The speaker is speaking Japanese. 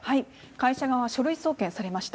会社側は書類送検されました。